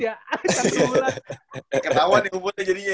ketawa nih umurnya jadinya ya